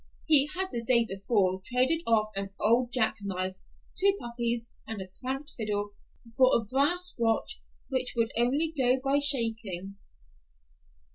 (He had the day before traded off an old jack knife, two puppies, and a cracked fiddle, for a brass watch which would only go by shaking.)